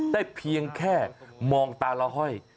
เพียงแค่มองตาละห้อย